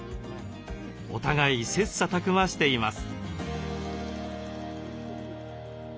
お互い切磋琢磨しています。